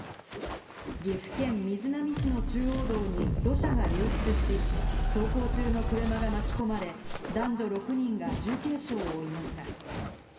岐阜県瑞浪市の中央道に土砂が流出し、走行中の車が巻き込まれ、男女６人が重軽傷を負いました。